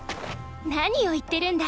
⁉何を言ってるんだ。